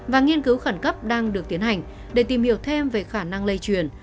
và nghiên cứu khẩn cấp đang được tiến hành để tìm hiểu thêm về khả năng lây truyền